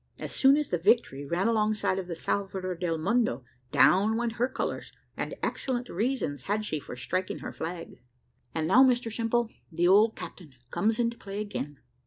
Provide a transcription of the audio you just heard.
As soon as the Victory ran alongside of the Salvador del Mondo, down went her colours, and Excellent reasons had she for striking her flag. And now, Mr Simple, the old Captain comes into play again.